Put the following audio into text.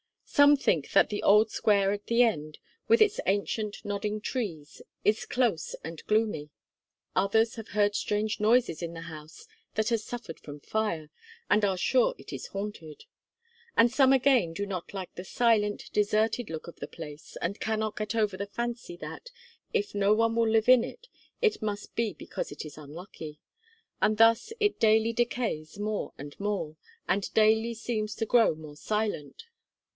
Some think that the old square at the end, with its ancient, nodding trees, is close and gloomy; others have heard strange noises in the house that has suffered from fire, and are sure it is haunted; and some again do not like the silent, deserted look of the place, and cannot get over the fancy that, if no one will live in it, it must be because it is unlucky. And thus it daily decays more and more, and daily seems to grow more silent.